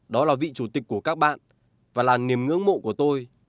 đó là vị chủ tịch của các bạn và là niềm ngưỡng mộ của tôi